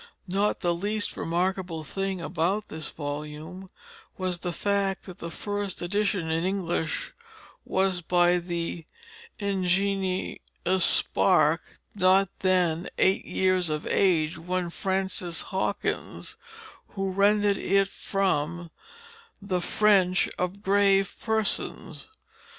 Not the least remarkable thing about this volume was the fact that the first edition in English was by an "ingeniose Spark" not then eight years of age, one Francis Hawkins, who rendered it from "the French of grave persons."